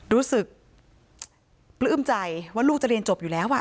รู้สึกปลื้มใจว่าลูกจะเรียนจบอยู่แล้ว